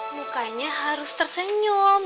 mukanya harus tersenyum